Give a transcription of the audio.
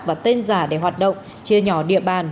và tên giả để hoạt động chia nhỏ địa bàn